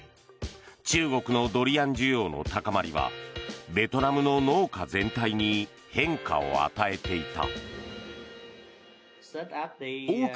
中国のドリアン需要の高まりはベトナムの農家全体に変化を与えていた。